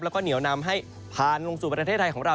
แล้วก็เหนียวนำให้ผ่านลงสู่ประเทศไทยของเรา